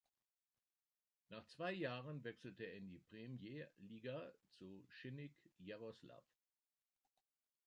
Nach zwei Jahren wechselte er in die Premjer-Liga zu Schinnik Jaroslawl.